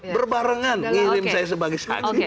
berbarengan ngirim saya sebagai saksi